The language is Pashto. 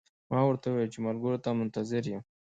ما ورته وویل چې ملګرو ته منتظر یم.